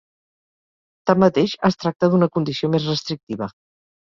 Tanmateix, es tracta d'una condició més restrictiva.